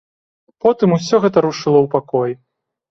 Потым усё гэта рушыла ў пакой.